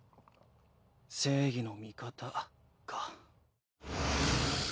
正義の味方か。